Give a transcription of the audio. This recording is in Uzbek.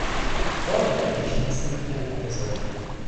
Bor-yo‘g‘i beshinchi sinf kallam bo‘lsa.